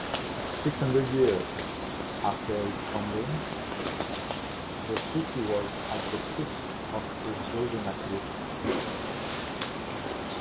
Six hundred years after its founding, the city was at the peak of its building activity.